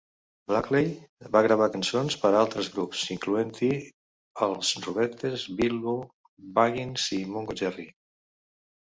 Blakley va gravar cançons per a altres grups, incloent-hi els Rubettes, Bilbo Baggins i Mungo Jerry.